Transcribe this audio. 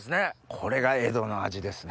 これが江戸の味ですね。